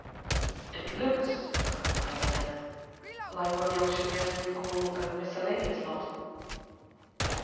"It looks," I replied, at length, "like what the auctioneers would call a miscellaneous lot."